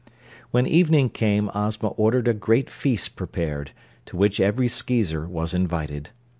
When evening came Ozma ordered a great feast prepared, to which every Skeezer was invited.